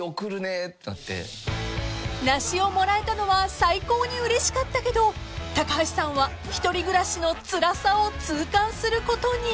［梨をもらえたのは最高にうれしかったけど高橋さんは１人暮らしのつらさを痛感することに］